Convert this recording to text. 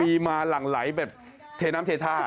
มีมาหลั่งไหลแบบเทน้ำเทท่า